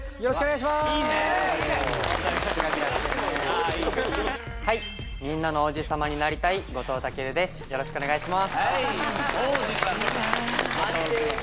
よろしくお願いします